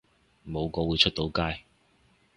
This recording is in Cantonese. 冇個會出到街